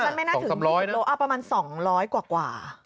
สักไม่น่าถึง๒๐ล้อประมาณ๒๐๐กว่า